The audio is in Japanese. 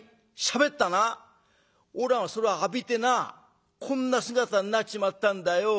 俺はそれを浴びてなこんな姿になっちまったんだよ。